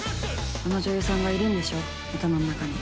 あの女優さんがいるんでしょ頭の中に。